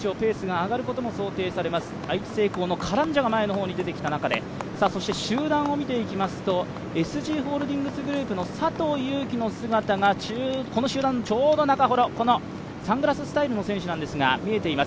愛知製鋼のカランジャが前に出てきた中で集団を見てみますとＳＧホールディングスグループの佐藤悠基の姿がこの集団のちょうど中ほど、サングラス姿の選手が見えています。